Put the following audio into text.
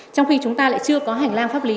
trong khi chúng ta lại chưa có hành lang pháp lý